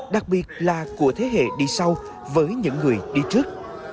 đặc biệt là của thế hệ đi sau với những người đi trước